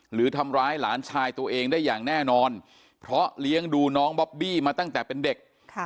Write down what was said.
หรือทำร้ายหลานชายตัวเองได้อย่างแน่นอนเพราะเลี้ยงดูน้องบอบบี้มาตั้งแต่เป็นเด็ก